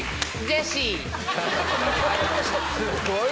すごいね。